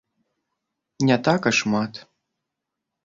Не так і шмат.